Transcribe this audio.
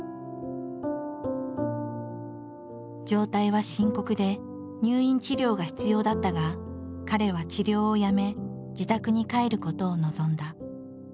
状態は深刻で入院治療が必要だったが彼は治療をやめ自宅に帰ることを望んだ。